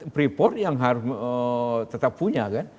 freeport yang harus tetap punya kan